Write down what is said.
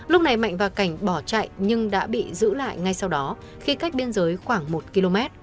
lúc này mạnh và cảnh bỏ chạy nhưng đã bị giữ lại ngay sau đó khi cách biên giới khoảng một km